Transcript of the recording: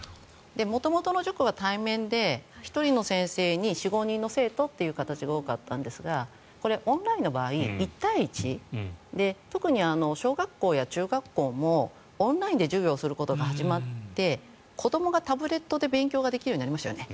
元々の塾は対面で１人の先生に４５人の生徒という形が多かったんですがこれ、オンラインの場合１対１で特に小学校や中学校もオンラインで授業することが始まって子どもがタブレットで勉強ができるようになりましたよね。